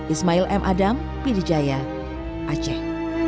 ismail m adam pidijaya aceh